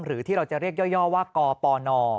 หรือที่เราจะเรียกย่อว่ากปน